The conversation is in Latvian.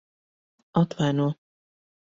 Atvaino.